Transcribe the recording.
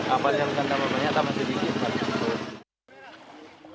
amalnya bukan tambah banyak tambah sedikit